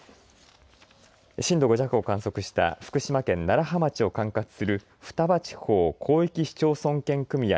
震度５弱を観測した福島県楢葉町を管轄する双葉地方広域市町村圏組合